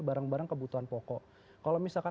barang barang kebutuhan pokok kalau misalkan